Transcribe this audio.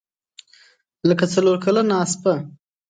لکه څلورکلنه اسپه.